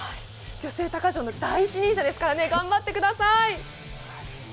女性鷹匠の第一人者ですからね、頑張ってください。